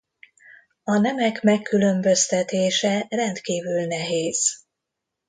A nemek megkülönböztetése rendkívül nehéz.